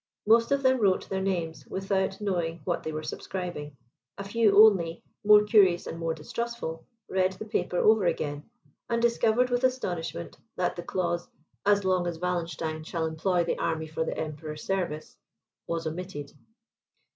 Most of them wrote their names, without knowing what they were subscribing; a few only, more curious or more distrustful, read the paper over again, and discovered with astonishment that the clause "as long as Wallenstein shall employ the army for the Emperor's service" was omitted.